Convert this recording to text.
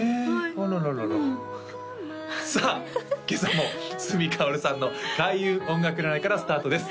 あららららさあ今朝も角かおるさんの開運音楽占いからスタートです